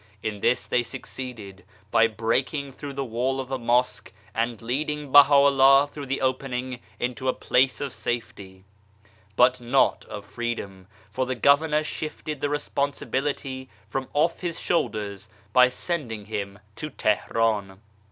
In this they succeeded by breaking through the wall of the Mosque and leading Baha'u'llah through the opening into a place of safety, but not of freedom ; for the Governor shifted the re sponsibility from off his own shoulders by sending him to Teheran.